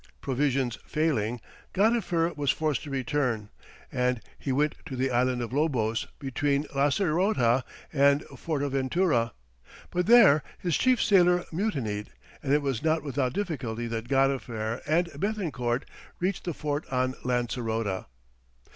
Provisions failing, Gadifer was forced to return, and he went to the island of Lobos between Lancerota and Fortaventura; but there his chief sailor mutinied and it was not without difficulty that Gadifer and Béthencourt reached the fort on Lancerota.